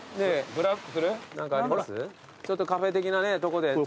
ちょっとカフェ的なとこで。